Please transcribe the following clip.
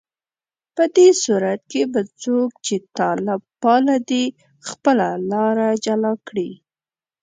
په دې صورت کې به څوک چې طالب پاله دي، خپله لاره جلا کړي